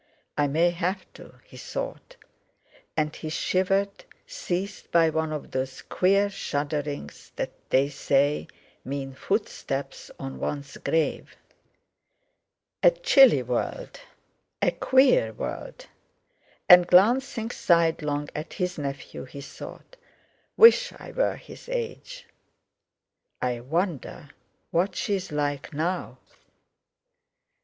"I may have to," he thought; and he shivered, seized by one of those queer shudderings that they say mean footsteps on one's grave. A chilly world! A queer world! And glancing sidelong at his nephew, he thought: "Wish I were his age! I wonder what she's like now!"